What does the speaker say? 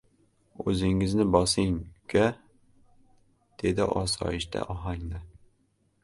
— O‘zingizni bosing, uka! — dedi osoyishta ohagda.